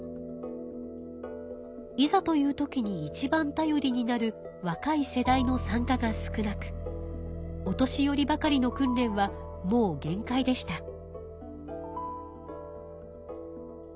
いざという時にいちばん頼りになるわかい世代の参加が少なくお年寄りばかりの訓練はもう限界でした。